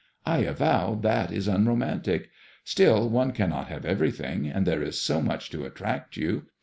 I avow that is unromantic. Still one cannot have everything, and there is so much to attract you.